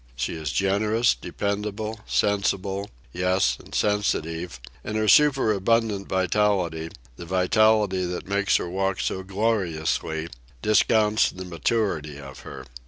She is generous, dependable, sensible—yes, and sensitive; and her superabundant vitality, the vitality that makes her walk so gloriously, discounts the maturity of her.